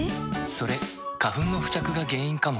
それ花粉の付着が原因かも。